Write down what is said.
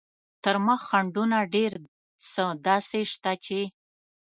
تر مخ خنډونه ډېر څه داسې شته چې.